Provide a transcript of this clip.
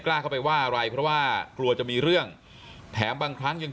กล้าเข้าไปว่าอะไรเพราะว่ากลัวจะมีเรื่องแถมบางครั้งยัง